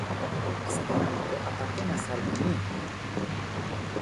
Esperanto apartenas al ni.